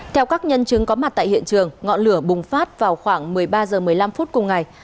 theo các nhân chứng có mặt tại hiện trường ngọn lửa bùng phát vào khoảng một mươi ba h một mươi năm phút cùng ngày